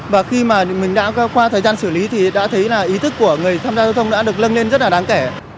và khi mà mình đã qua thời gian xử lý thì đã thấy là ý thức của người tham gia giao thông đã được lân lên rất là đáng kể